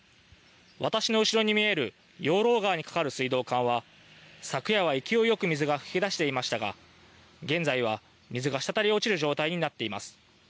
私の後ろに見える養老川に架かる水道管は、昨夜は勢いよく水が噴き出していましたが、現在は水がしたたり落ちる状態になっています。